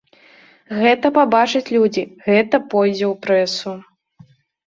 Гэта пабачаць людзі, гэта пойдзе ў прэсу.